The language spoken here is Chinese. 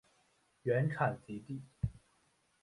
原产极地。